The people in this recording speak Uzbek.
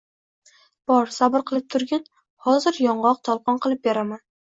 Bor, sabr qilib turgin, hozir yong‘oq tolqon qilib beraman.